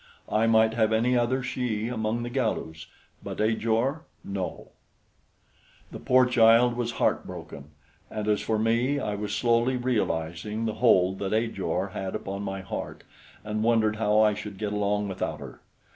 I might have any other she among the Galus; but Ajor no! The poor child was heartbroken; and as for me, I was slowly realizing the hold that Ajor had upon my heart and wondered how I should get along without her.